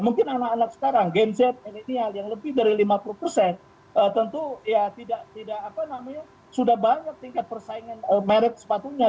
mungkin anak anak sekarang gen z millennial yang lebih dari lima puluh persen tentu ya tidak apa namanya sudah banyak tingkat persaingan merek sepatunya